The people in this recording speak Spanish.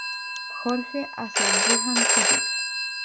George hacia Brigham City.